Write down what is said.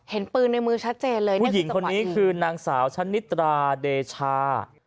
เห็นปืนในมือชัดเจนเลยนะคะผู้หญิงคนนี้คือนางสาวชะนิตราเดชา